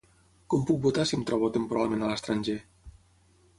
Com puc votar si em trobo temporalment a l’estranger?